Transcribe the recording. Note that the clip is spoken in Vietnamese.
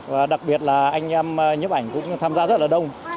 và đặc biệt là anh em nhiếp ảnh cũng tham gia rất là đông